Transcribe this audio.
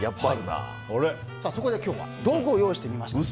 そこで今日は道具を用意してみました。